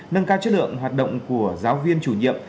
nâng cao chất lượng hoạt động của giáo viên chủ nhiệm